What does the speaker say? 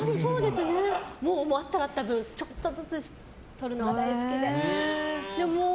あったらあった分ちょっとずつ取るのが大好きで。